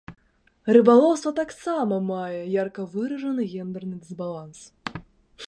Рыбалоўства таксама мае ярка выражаны гендэрны дысбаланс.